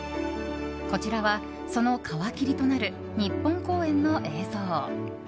こちらは、その皮切りとなる日本公演の映像。